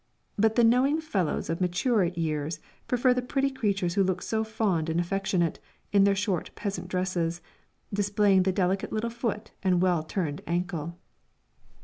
But the knowing fellows of mature years prefer the pretty creatures who look so fond and affectionate, in their short peasant dresses, displaying the delicate little foot and well turned ancle.